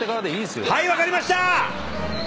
はい分かりました！